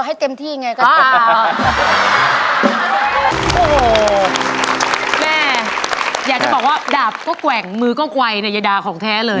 แหมอยากจะบอกว่าดาบก็ไกว่มือก้องไกวนิยดาของเท้ะเลย